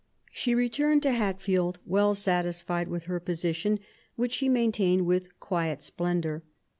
She returned to Hatfield well satisfied with her position, which she maintained with quiet splendour.